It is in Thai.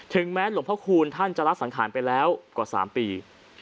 ถึงแม้หลวงพระคูณท่านลับสังฐานไปแล้วกว่าสามปี